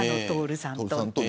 徹さんと。